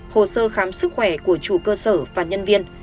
hồ sơ khám sức khỏe của chủ cơ sở và nhân viên